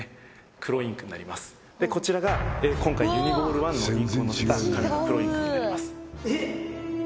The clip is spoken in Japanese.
黒インクになりますでこちらが今回ユニボールワンのインクを載せた紙の黒インクになりますえっ！？